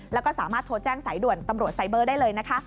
แล้วก็สามารถโทรแจ้งสายด่วนตำรวจไซเบอร์ได้เลยนะคะ